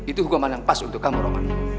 itu hukuman yang pas untuk kamu roman